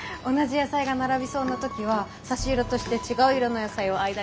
同じ野菜が並びそうな時は差し色として違う色の野菜を間に並べたりして。